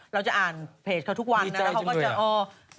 เราจะอ่านเพจเขาทุกวันนะแล้วเขาก็จะอ๋อ